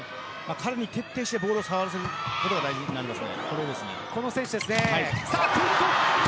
彼に徹底してボールを触らせないことが大事です。